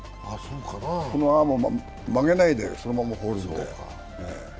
このまま曲げないで、そのまま放るみたいな。